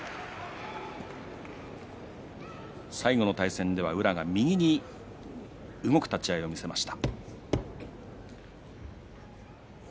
最後の対戦では宇良が右に動く立ち合いを見せました。